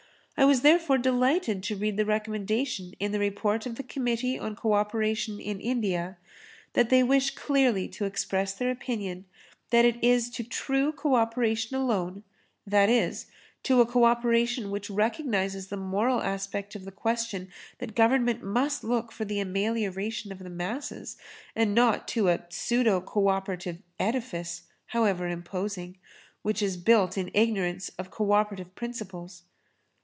I was therefore delighted to read the recommendation in the Report of the Committee on Co operation in India, that "they wish clearly to express their opinion that it is to true [Pg 27]co operation alone, that is, to a co operation which recognises the moral aspect of the question that Government must look for the amelioration of the masses and not to a pseudo co operative edifice, however imposing, which is built in ignorance of co operative principles."